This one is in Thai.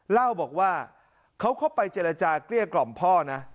เล่าบอกว่าเขาเข้าไปเจรจาเกลี้ยกล่อมพ่อนะ